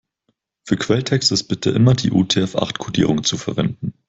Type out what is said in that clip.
Für Quelltext ist bitte immer die UTF-acht-Kodierung zu verwenden.